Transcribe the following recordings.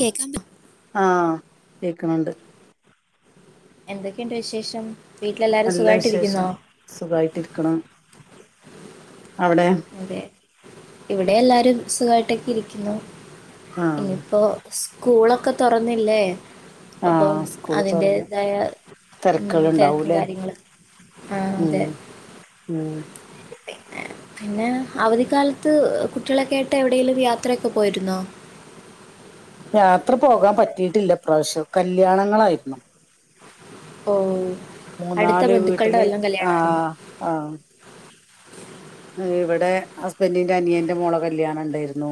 കേക്കാൻ പ ആ കേക്ക്ണ് ണ്ട് എന്തൊക്കെണ്ട് വിശേഷം വീട്ടിലെല്ലാരും നല്ല വിശേഷം സുഖായിട്ടിരിക്കുന്നോ സുഖായിട്ടിരിക്കണം അവിടെ അതെ ഇവിടെ എല്ലാരും സുഖായിട്ടൊക്കെ ഇരിക്കുന്നു ആഹ് ഇപ്പൊ സ്കൂളൊക്കെ തൊറന്നില്ലേ അപ്പം ആഹ് സ്കൂള് തുറന്ന് അതിന്റെതായ ഉം തിരക്കുകൾ തെരക്കും ഉണ്ടാവൂല്ലേ കാര്യങ്ങളും ആ ഉം ഉം പിന്നെ പിന്നെ അവധിക്കാലത്ത് കുട്ടികളൊക്കൊയിട്ട് എവിടേലും യാത്രയൊക്കെ പോയിരുന്നോ യാത്ര പോകാൻ പറ്റിട്ടില്ല ഇപ്രാശ്യം കല്യാണങ്ങളായിരുന്നു ഓ അടുത്ത മൂന്നാല് ബന്ധുക്കളുടെ വീട്ടില് വല്ലം കല്യാണായിരുന്നോ ആഹ് [inaudible] ആഹ് ഇവിടെ ഹസ്ബന്റിന്റെ അനിയന്റെ മോളെ കല്യാണം ണ്ടേര്ന്നു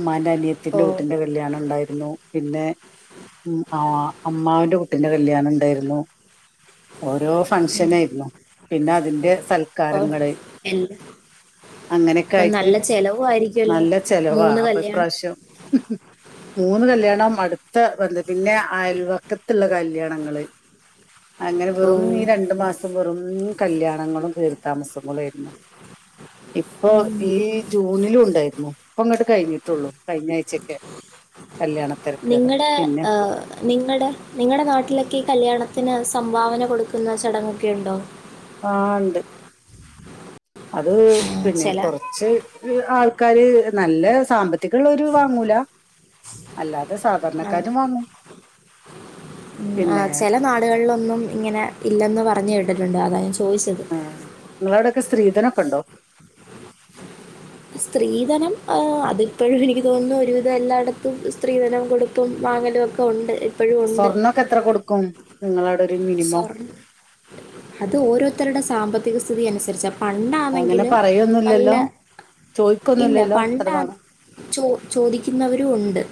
മ്മാന്റെ ഓ അനിയത്തിന്റെ കുട്ടിൻ്റെ കല്യാണംം ണ്ടേര്ന്നു പിന്നെ ഉം ആ അമ്മാവന്റെ കുട്ടിന്റെ കല്യാണം ണ്ടേര്ന്നു ഓരോ ഉം ഫങ്ഷനേര്ന്നു പിന്നെ അതിന്റെ സൽക്കാരങ്ങള് എ അങ്ങനൊക്കായിട്ട് ആയിരിക്കുവല്ലോ നല്ല ചെലവാ മൂന്ന് അപ്പൊ കല്യാണം ഇപ്രാശ്യം മൂന്ന് കല്യാണം അടുത്ത ബന്ധം പിന്നെ അയൽവക്കത്ത്ള്ള കല്യാണങ്ങള് അങ്ങനെ വെറും ഓ ഈ രണ്ടു മാസം വെറും കല്യാണങ്ങളും കേറിത്താമസങ്ങളേര്ന്നു ഇപ്പൊ ഈ ജൂണിലുംണ്ടേര്ന്നു ഇപ്പ ങ്ങട്ട് കഴിഞ്ട്ടൊള്ളൂ കഴിഞ്ഞ ആഴ്ചൊക്കെ നിങ്ങടെ നിങ്ങടെ നിങ്ങടെ നാട്ടിലൊക്കെഈ കല്യാണത്തിന് സം ഭാവന കൊടുക്കുന്ന ചടങ്ങൊക്കെ ണ്ടോ ആ ണ്ട് അത് ആ, പിന്നെ ചില കൊറച്ച് ആൾക്കാര് നല്ല സാമ്പത്തികള്ളോര് വാങ്ങൂല അല്ല ആ പിന്നെ ചെല നാടുകളിലൊന്നും ഇങ്ങനെ ഇല്ലെന്ന് പറഞ് കേട്ടിട്ടുണ്ട് അതാ ഞാൻ ചോ ആ നിങ്ങളോടെക്കെ സ്ത്രീധനൊക്കെ ണ്ടോ സ്ത്രീധനം അതിപ്പോഴും എനിക്ക് തോന്നുന്നു ഒരുവിധം എല്ലായിടത്തും സ്ത്രീധനം കൊട്ത്തും വാങ്ങ ങ്ങലൊക്കെ ഒണ്ട് സ്വർണൊക്കെ എത്ര കൊടുക്കും നിങ്ങളവടെ സ്വർ അത് ഓരോരുത്തരുടെ സാമ്പത്തിക സ്ഥിതിയനുസരിച്ച അങ്ങനെ പണ്ടാന്നെങ്കില് നല്ല പറയൊന്നുമില്ലല്ലോ ഇല്ല ചോദിക്കൊന്നുമില്ലല്ലോ എത്ര പണ്ട് വേണം ചോ ചോദിക്കുന്നവരും ഒണ്ട്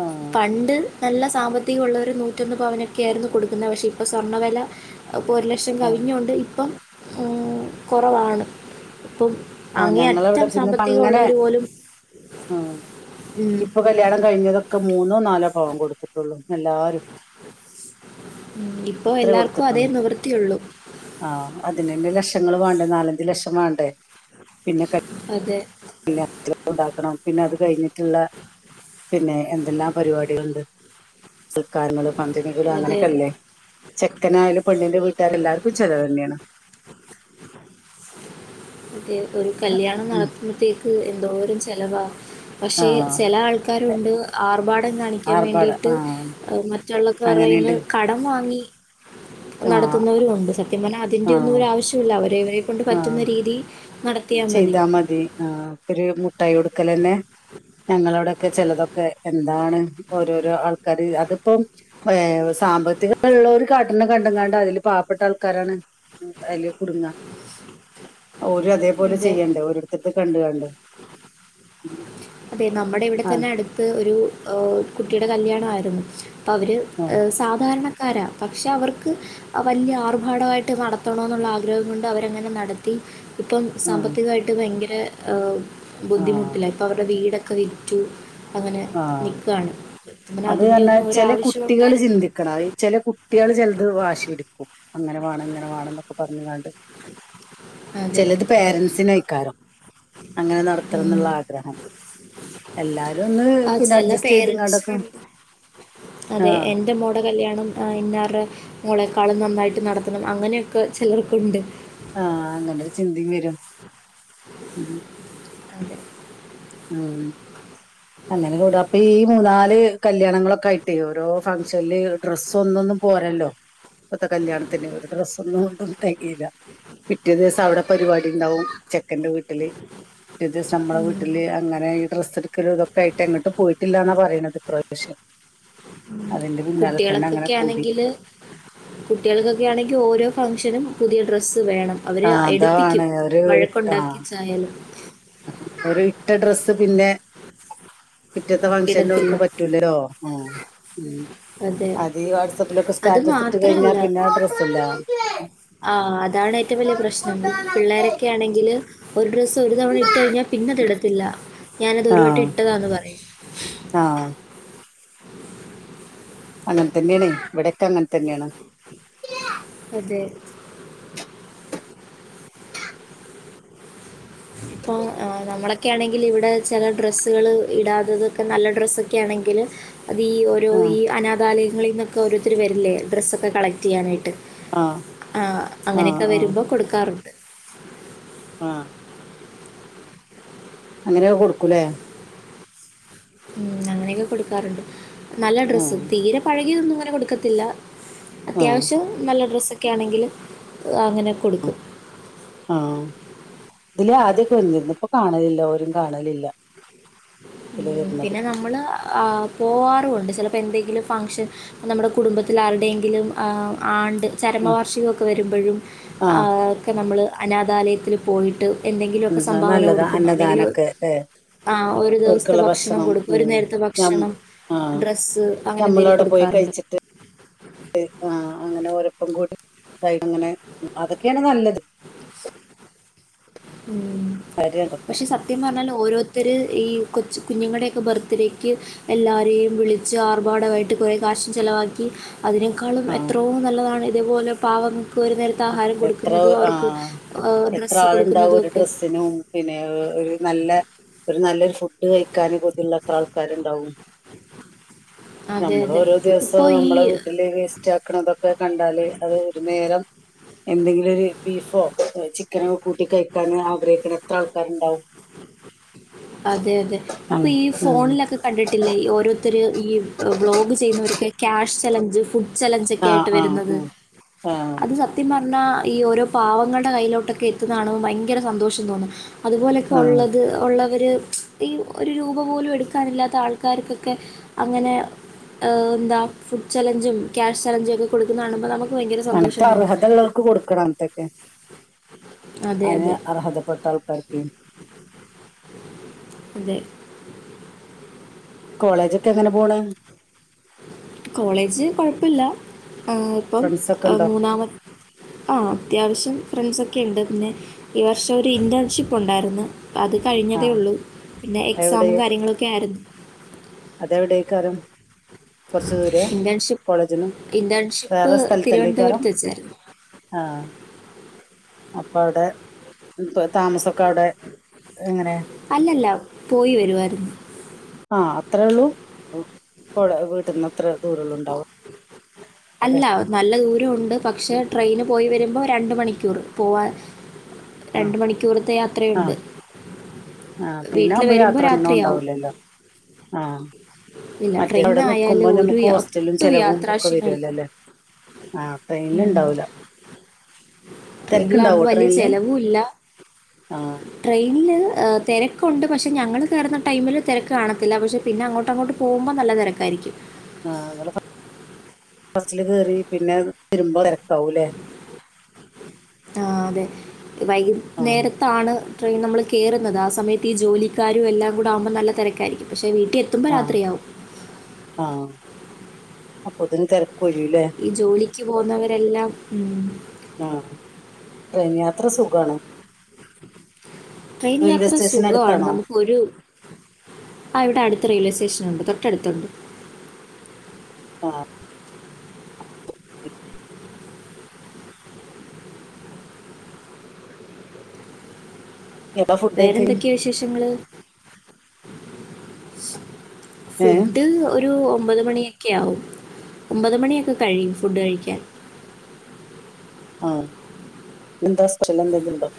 ആ പണ്ട് നല്ല സാമ്പത്തികള്ളോര് നൂറ്റൊന്ന് പവനൊക്കായിരുന്നു കൊടുക്കുന്നത് പക്ഷേ ഇപ്പ സ്വർണ്ണവെല അപ്പോ ഒരു ലക്ഷം ആ കവിഞ്ഞൊണ്ട് ഇപ്പം കൊറവാണ് പ്പം ആ അങ്ങേ ഞങ്ങളവിടെ അറ്റം പിന്നെ ഇപ്പൊ അങ്ങനെ സാമ്പത്തികള്ളോര് പോലും ആ ഉം, ഇപ്പൊ കല്യാണം കഴിഞ്ഞതൊക്കെ മൂന് ന്നോ നാലോ പവൻ കൊടുത്തിട്ടുള്ളൂ എല്ലാരും ഉം, ഇപ്പോൾ അത്രേ എല്ലാവർക്കും അതേ കൊടുത്തിട്ടുള്ളു നിവൃത്തിയുള്ളൂ ആ അതിനന്നെ ലക്ഷ ങ്ങള് വേണ്ടെ നാലഞ്ചു ലക്ഷം വാണ്ടേ അതെ [unintelligible] ണ്ടാക്കണം പിന്നെ അത് കഴിഞ്ഞിട്ടുള്ള പിന്നെ എന്തെല്ലാം പരിപാടികളുണ്ട് സുൽക്കാരങ്ങളും ഫംഗഷനുകളും അതെ അതെ അങ്ങനെയൊക്കെല്ലേ ചെക്കനായാലും പെണ്ണിന്റെ വീട്ടുകർ എല്ലാവർക്കു ഫുൾചെലവന്ന്യാണ് അതെ ഒരു കല്യാണം നടത്തുമ്പത്തേക്ക് എന്തോരം ചെലവാ ആ പക്ഷെ ചില ആൾക്കാരുണ്ട് ആർഭാടം കാണിക്കാൻ ആർഭാട വേണ്ടിയിട്ട് ആ മ റ്റുള്ള ക്കാറയിന്നു അങ്ങനെയുണ്ട് കടം വാങ്ങി ആ നടത്തുന്നവരൂണ്ട് സത്യം പറഞ്ഞാ അതിന്റെ ഒന്നും ആഹ് ഒരു ആവശ്യല്ല അവരവരെ കൊണ്ട് ആഹ് പറ്റുന്ന രീതി ചെയ്താ മതി ആ ഒര് മുട്ടായി കൊടുക്കലന്നെ ഞങ്ങളോടൊക്കെ ചെലതൊക്കെ എന്താണ് ഓരോരോ ആൾക്കാര് അതിപ്പോം ഏ സാമ്പത്തികള്ളോര് കാട്ടണ കണ്ടങ്ങാണ്ട് അതിൽ പാവപ്പെട്ട ആൾക്കാരാണ് അയിൽ കുടുങ്ങാ ഓലും അതെ പോലെ ചെയ്യണ്ടേ ഓരോരുത്തരത്ത് കണ്ടുകാണ്ട് അതേ നമ്മുടെ ഇവിടെ തന്നെ അടുത്ത് ഒരു ഏ കുട്ടിയുടെ കല്യാണായിരുന്നു അവര് ആഹ് സാധാരണ ക്കാരാ പക്ഷെ അവർക്ക് വല്ല്യ ആർഭാടവായിട്ട് നടത്തണോന്നുള്ള ആഗ്രഹം കൊണ്ട് അവരങ്ങനെ നടത്തി ഇപ്പം ആഹ് സാമ്പത്തികായിട്ട് ഭയങ്കര ആഹ് ബുദ്ധിമുട്ടിലായി അവരെ വീടൊക്കെ വിറ്റു അങ്ങനെ ആഹ് നിക്കുകയാണ് അത് തന്നെ ചെല കുട്ടികൾ ചിന്തിക്കണം ചെല കുട്ടികൾ ചിലത് വാശി പിടുക്കും അങ്ങനെ വേണം ഇങ്ങനെ വേണം എന്നൊക്കെ പറഞ്ഞുങ്ങാണ്ട്. അതെ ചിലത് പേരൻറ്സിന് ആയിക്കാരം അങ്ങനെ നടത്തണം എന്നുള്ള ഉം. ആഗ്രഹം എല്ലാരും ഒന്ന് ആ പിന്നെ ചില അഡ്ജസ്റ്റ് ചെയ്ത്ങ്ങാണ്ടൊക്കെ പേരൻസിനുണ്ട് അതെ എന്റെ മോടെ കല്യാണം ഇന്നാരുടെ മോളെക്കാളും നന്നായി ട്ട് നടത്തണം അങ്ങനെയൊക്കെ ചിലർക്കുണ്ട്. ആ അങ്ങനൊരു ചിന്തേം ‌ വരും. ഉം അതെ ഉം അങ്ങനെ കൂടം അപ്പ ഈ മൂന്നാ ല് കല്യാണങ്ങളൊക്കെ ആയിട്ടേ ഓരോ ഫംഗഷനല് ഡ്രസ്സൊന്നൊന്നും പോരല്ലോ ഇപ്പത്തെ കല്യാണത്തിന് ഒരു ഡ്രസ്സ് ഒന്നും കൊണ്ടും തെകയില്ല. പിറ്റേ ദിവസം അവടെ പരിപാടി ഉണ്ടാവും ചെക്കന്റെ വീട്ടില് പിറ്റേ ദിവസം നമ്മളെ വീട് അങ്ങനെ ഈ ഡ്രസ് എടുക്കലും ഇതൊക്കെ ആയിട്ട് എങ്ങോട്ട് പോയിട്ടില്ലന്നാ പറയണത് ഇപ്രയോശ്യം കുട്ടികളക്കൊക്കെ ആണെങ്കില് കുട്ടികൾക്കൊക്കെ ആണെങ്കിൽ ഓരോ ഫംഗഷനും പുതിയ ഡ്രസ്സ് വേണം. ആ അവരെ അതാണ് എടുപ്പിക്കും ഒരു ആ വഴക്കുണ്ടാക്കിച്ചായാലും ഒരു ഇട്ട ഡ്രസ്സ് പിന്നെ പിറ്റേത്ത ഫംഗ്ഷൻ ഇടത്തില്ല നോൽക്ക് പറ്റൂലലോ ഓ ഉം അതെ അത് ഈ വാട്സപ്പിലൊക്കെ അത് സ്റ്റാറ്റസ് ഇട്ട് കഴിഞ്ഞാ മാത്രമല്ല പിന്നെ അഡ്രസ്സല്ല ആ അതാണ് ഏറ്റവും വലിയ പ്രശ്നം പിള്ളേരൊക്കെ ആണെങ്കില് ഡ്രസ്സ് ഒരു തവണ ഇട്ട് കഴിഞ്ഞാൽ പിന്നെത് ഇടത്തില്ല ഞാനത് ഒരു വട്ടം ആഹ് ഇട്ടതാന്ന് പറയും ആഹ് അങ്ങനെ തന്യായാണ് ഇവിടക്കെ അങ്ങനെ തന്ന്യാണ് അതെ ഇപ്പൊ ഏ നമ്മളൊക്കെ ആണെങ്കില് ഇവിടെ ചെല ഡ്രസ്സ്കള് ഇടാത്തതൊക്കെ നല്ല ഡ്രെസ്സൊക്കെ ആണെ എങ്കില് അത് ഈ ഓരോ ആഹ് ഈ അനാഥാലയങ്ങളിന്നൊക്കെ ഓരോരുത്തര് വരില്ലെ ഡ്രസ്സൊക്കെ കളക്റ്റ് ചെയ്യാനായിട്ട് ആഹ് ആ ആഹ് അങ്ങനെയൊക്കെ വരുമ്പോ കൊടുക്കാറുണ്ട് ആ അങ്ങനൊക്കെ കൊടുക്കൂലേ ഉം അങ്ങനെയൊക്കെ കൊട്ക്കാറ്ണ്ട് നല്ല ഡ്രസ്സ് ആഹ് തീരെ പഴകിയതൊന്നും ഇങ്ങനെ കൊടുക്കത്തില്ല ആഹ് അത്യാവശ്യം നല്ല ഡ്രസ്സൊക്കെ ആണെങ്കിലും ഓ അങ്ങനെ കൊടുക്കും ഇതിലെ ആദ്യൊക്കെ വന്നിര്ന്നു ഇപ്പൊ കാണലില്ല ഒരും കാണലില്ല ഇതില് ഉം വരുന്നത് പിന്നെ നമ്മള് ആ പോവാറുണ്ട് ചെലപ്പോ എന്തെ ങ്കിലും ഫംഗ്ഷൻ നമ്മുടെ കുടുംബത്തിലാരുടെയങ്കിലും ആ ആണ്ട് ആഹ് ചരമവാർഷികൊക്കെ വരുമ്പഴും ആ ആഹ് ഒക്കെ നമ്മള് അനാഥാലയത്തില് പോയിട്ട് എന്തെങ്കിലൊക്കെ ഉം അത് സംഭാവന നല്ലതാ കൊടുക്കും അല്ലെങ്കില് ഓ അന്നദാനൊക്കെ ല്ലേ ആ ഒരു ദെവസ ത്തെ ഓർക്കുള്ള ഭക്ഷണം കൊടുക്കു ഒരു ഉം നേരത്തെ ഞം ഭക്ഷണം ആഹ് ഡ്രസ്സ് അങ്ങനെ എന്തേലും കൊടുക്കാറുണ്ട് ഹ് ആ അങ്ങനെ ഒരു ഒപ്പക്കൂടി ഇതായിട്ട്ങ്ങനെ അതൊക്കെയാണ് നല്ലത് മ് കാര്യതൊക്കെ പക്ഷെ സത്യം പറ്ഞ്ഞാല് ഓരോരുത്തര് ഈ കൊ ച്ച് കുഞ്ഞുങ്ങള്ടെയൊക്കെ ബർത്ത് ഡേക്ക് എല്ലാരെയും വിളിച്ച് ആർഭാടവായിട്ട് കൊറെ കാശും ചെലവാക്കി അതിനേക്കാളും ആഹ് എത്രോ നല്ലതാണ് ഇതേപോലെ പാവം ക്കൊരു നേരത്തെ ആഹാരം എത്ര കൊടുക്കുന്നതു അവർക്ക് ആ ഡ്രസ്സ് കൊടു എന്താ ഒര് ഡ്രസ്സിനും പിന്നെ ഏ ഒര് നല്ല ഒരു നല്ലൊരു ഫുഡ് കഴിക്കാന് കൊതിയിള്ളെത്ര ആൾക്കാര്ണ്ടാവും അതെ നമ്മള് അതെ ഓരോ ഇപ്പോൾ ദിവസവും ഈ നമ്മളെ വീട്ടില് വേസ്റ്റാക്കണതൊക്കെ കണ്ടാലേ അത് ഒരു നേരം എന്തെങ്കിലും ഒരു ബീഫോ ചിക്കനോ കൂട്ടി കഴിക്കാൻ ആഗ്രഹിക്ക്ണ എത്ര ആൾക്കാര്ണ്ടാവും അതെ അതെ ഉം ഇപ്പൊ ഈ ഉം ഫോണിലൊക്കെ കണ്ടിട്ടില്ലേ ഈ ഓരോ ത്തര് ഈ ഏ വ്ളോഗ് ചെയ്യുന്നവരൊക്കെ ക്യാഷ് ചലഞ്ച് ഫു ഡ് ആഹ് ചലഞ്ചൊക്കായിട്ട് ആഹ് വര്ന്നത് ഉം ആഹ് അത് സത്യമാ ണോ ഈ ഓരോ പാവങ്ങള്ടെ കയ്യിലോട്ടക്കെ എത്ത്ന്നെ കാണുമ്പം ഭയങ്കര സന്തോഷം തോന്നും. അത് ആഹ് ഒള്ളത് ഒള്ളവ ഏ ഈ ഒരു രൂപ പോലും എടുക്കാന് ഇല്ലാത്ത ആൾക്കാര്ക്കൊക്കെ അങ്ങനെ ആഹ് എന്താ ഫുഡ് ചലഞ്ചും ക്യാഷ് ചലഞ്ചും ഒക്കെ കൊടുക്ക്ന്നെ കാണുമ്പൊ നമ്മ അനക്ക അർഹത ഉള്ളോര്ക്ക് കൊടുക്കണം അങ്ങത്തൊക്കെ അതെ, അയിന് അതെ. അർഹതപ്പെട്ട ആൾക്കാര്ക്ക് അതെ. കോളേജൊക്കെ എങ്ങനെ പോണ് കോളേജ് കൊഴപ്പല്ല മ് ഇപ്പം ഫ്രണ്ട്സ് ഒക്കെ ആ ഉണ്ടോ മൂന്നാമത് ആ അത്യാവശ്യം ഫ്രണ്ട്സൊക്കെ ഇണ്ട് പിന്നെ ഈ വർഷം ഒരു ഇന്റേൺഷിപ്പ് ഒണ്ടായിരുന്ന് അത് ആ കഴിഞ്ഞതേയുള്ളു പിന്നെ എക്സാമും കാര്യങ്ങളൊക്കെ ആയിരുന്നു അതെവിടെക്കാരം കൊറച്ച് ദൂരെയാ ഇന്റേൺഷിപ്പ് കോളേജിന്ന് ഇന്റേൺഷിപ്പ് വേറെ സ്ഥല്ത്തല്ലേക്കാരം തിരുവനന്തപുരത്ത് വെച്ചായിരുന്നു ആ അപ്പൊ അവിടെ മ് തൊ താമസൊക്കവിടെ എങ്ങനെ അല്ലല്ല പോയി വെരുവായിരുന്നു ആ അത്രേള്ളൂ അവു കൊഴ വീട്ട്ന്ന് അല്ലെ അല്ല നല്ല ദൂര ഒണ്ട് പക്ഷെ ട്രെയിന് പോയി വരുമ്പോ രണ്ട് മണിക്കൂർ പോവാൻ ആ രണ്ട് മണിക്കൂറത്തെ ആ യാത്രയുണ്ട് ആ പിന്നെ വീട്ടിൽ ആവുമ്പൊ വരുമ്പോൾ യാത്ര [unintelligible] രാത്രിയാവും ഉണ്ടാവൂലല്ലോ ആഹ് ഇല്ല മറ്റേ അവിടെ നിക്കുമ്പോ ട്രെയിനായാലും ഒരു നമ്മക്കു യാ- ഹോസ്റ്റലും ഒട്ടും ചെലവും ഒക്കെ യാത്രാക്ഷീണമില്ല വരല്ലോല്ലെ ആ ട്രെയിന്ല് ഇണ്ടാവൂല ട്രെയിന്ലാവുമ്പോ വല്ല്യാ ചെലവുല്ല ആ ട്രെയിനില് ആ തെരക്കുണ്ട് പക്ഷേ ഞങ്ങള് കേറുന്ന ടൈമില് തെരക്ക് കാണത്തില്ല പക്ഷേ പിന്നെ അങ്ങോട്ട് അങ്ങോട്ട് പോവുമ്പം നല്ല തെരക്കായിരിക്കും ആ ഇങ്ങള് സ ബസ്സില് കേറി പിന്നെ ഇതി വരുമ്പോ തെരക്കാവൂലേ ആഹ് അതെ വൈകുന്നേരത്താണ് ട്രെയിൻ നമ്മൾ കേറ്ന്നത് ആഹ് സമയത്ത് ഈ ജോലിക്കാരും എല്ലാം കൂടെ ആവുമ്പോ നല്ല തെരക്കായിരിക്കും പക്ഷേ വീ എത്തുമ്പം രാത്രിയാവും. അപ്പോത്ത്നും തെര ഈ ജോലിക്ക് പോവുന്നവരെല്ലാം, ഉം. ആഹ് ട്രെയിൻ യാത്ര സുഖാണ്. ട്രെയിൻ റെയിൽവേ യാത്ര സ്റ്റേഷൻ സുഖാണ്. അടുത്താണോ നമുക്കൊരു അവിടെ അടു റെയിൽവേ സേഷനുണ്ട് തൊട്ടടുത്തുണ്ട്. ആഹ് എപ്പളാ ഫുഡ് കഴിക്കല് വേറെന്തൊക്കെയാ വിശേഷങ്ങള്? ഏഹ് ഫുഡ് ഒ ഒരു ഒമ്പത് മണിയൊക്കെ ആവും ഒമ്പത് മണിയൊക്കെ കഴിയും ഫുഡ് കഴിക്കാൻ. ആഹ് എന്താ സ്പ്യല എന്തെങ്കിലും ഉണ്ടോ?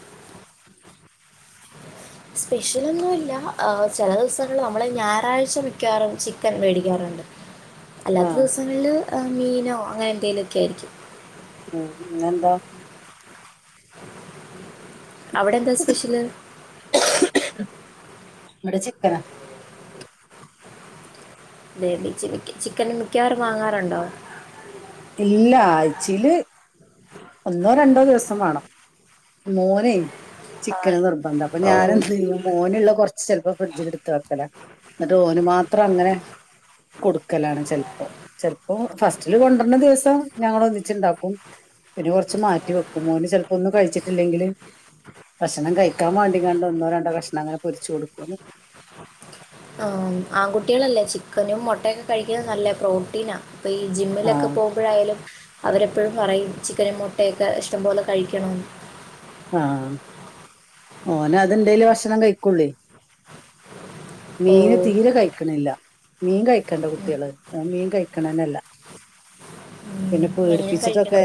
സ്പെഷ്യലൊന്നുല്ല, ഏഹ് ചെല ദിവസങ്ങള് നമ്മള് ഞായറാഴ്ച മിക്കവാറും ചിക്കൻ മേടിക്കാറു അല്ലാത്ത ആഹ് ദിവസങ്ങളില് മീനോ, അങ്ങനെ എന്തെക്കെ ആയിരിക്കും. ഉം, പിന്ന എന്താ? അവിടെ എന്താ സ്പെഷ്യല്? ഇവിടെ ചിക്കന. അതേ അതെ, ചിക്കന് മിക്കവാറും വാങ്ങാറുണ്ടോ? ഇല്ലാ, ആഴ്ചേല്. ഒന്നോ, രണ്ടോ ദിവസം വാണം. മോനെ. ചിക്കൻ ആഹ് നിർബന്ധം. അപ്പൊ ഞാന് ഓഹ് മോനുള്ളത് കൊറ്ച്ച് ചെല്പ്പോ ഫ്രിഡ്ജിൽ എടുത്ത് വക്കല. ഇന്നട്ട് ഓന് മാത്രം അങ്ങനെ കൊടുക്കലാണ്, ചെല്പ്പോ ചെൽപോ. അപ്പൊ ഫസ്റ്റില് കൊണ്ടര്ണ ദിവസം ഞങ്ങള് ഒന്നിച്ച് ഇണ്ടാക്കും. പിന്നെ കൊറ്ച്ച് മാറ്റി വെക്കും. മോന് ചെല്പ്പോ ഒന്നും കഴിച്ചിട്ടില്ലെങ്കില്? ഭക്ഷണം കഴിക്കാൻ മാണ്ടി കാണ്ട് ഒന്നോ, രണ്ടോ കഷ്ണം അങ്ങനെ പൊരിച്ച കൊടുക്കും. ആഹ്, ആൺകുട്ടികളല്ലേ? ചിക്കനും മൊട്ടൊക്കെ കഴിക്ക്ന്നത് നല്ല പ്രോട്ടീനാ. അപ്പൊ, ഈ ആ ജിമ്മിലൊക്കെ പോകുമ്പോഴായാലും അവരെ എപ്പോഴും പറയും ചിക്കനും മുട്ടയൊക്കെ ഇഷ്ടംപോലെ കഴിക്കണംന്ന്. ആപ് മോന അതെണ്ടേല് ഭക്ഷണം കഴിക്കൊള്ളേ? മീന് ഓഹ് തീരെ കഴിക്ക്ണില്ല, മീൻ കഴിക്കണ്ടെ ഉം കുട്ട്യേള്, അഹ് മീൻ കഴ ക്ക്ണനെന്നെല്ല ഉം പിന്നെ മീനും പേട്പ്പിച്ചിട്ടൊക്കെ, കഴിക്കണം.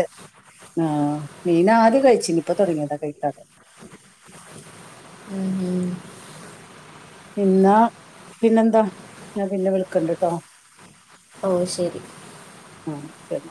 ആഹ് മീൻ ആദ്യം കഴിച്ചീനി, ഇപ്പൊ തൊടങ്ങിയത. ഉം ഉം നിന്നാ പിന്നെന്താ? ഞാൻ പിന്നെ വിളിക്കണ്ട്ട്ടോ. ഓഹ്, ശെരി. ആ ശരി